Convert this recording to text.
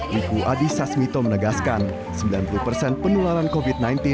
wiku adi sasmito menegaskan sembilan puluh persen penularan covid sembilan belas